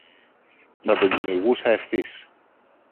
θα τον κυνηγούσα ευθύς